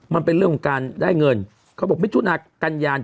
มันเป็นเรื่องของการได้เงินเขาบอกมิถุนากันยา